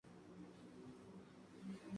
Historial de la Primera División de Francia